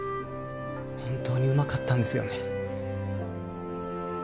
本当にうまかったんですよね